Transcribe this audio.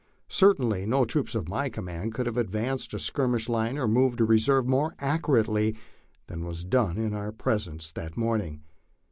Certainly no troops of my command could have advanced a skirmish line or moved a reserve more accurately than was done in our pres ence that morning.